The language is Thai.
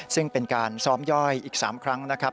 ซึ่งเป็นการซ้อมย่อยอีก๓ครั้งนะครับ